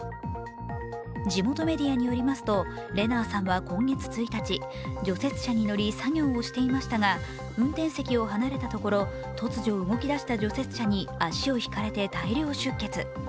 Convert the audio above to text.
地元メディアによりますと、レナーさんは今月１日、除雪車に乗り、作業をしていましたが運転席を離れたところ突如動き出した除雪車に足をひかれて大量出血。